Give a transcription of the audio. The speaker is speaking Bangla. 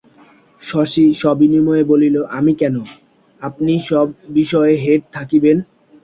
শশী সবিনয়ে বলিল, আমি কেন, আপনিই সব বিষয়ে হেড থাকিবেন।